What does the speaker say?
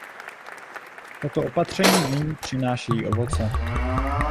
Tato opatření nyní přinášejí ovoce.